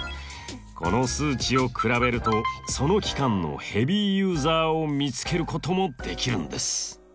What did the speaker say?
この数値を比べるとその期間のヘビーユーザーを見つけることもできるんです。